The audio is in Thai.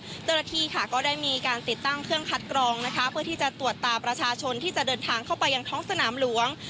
เจ้าหน้าที่ค่ะก็ได้มีการติดตั้งเครื่องคัดกรองนะคะเพื่อที่จะตรวจตาประชาชนที่จะเดินทางเข้าไปยังท้องสนามหลวง